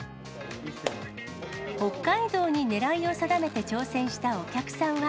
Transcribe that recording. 北海道に狙いを定めて挑戦したお客さんは。